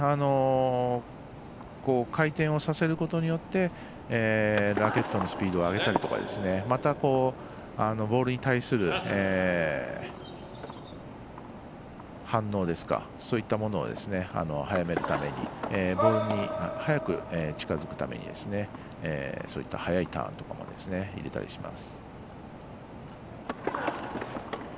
回転をさせることによってラケットのスピードを上げたりまた、ボールに対する反応そういったものを、早めるためにボールに早く近づくためにそういった早いターンとかを入れたりします。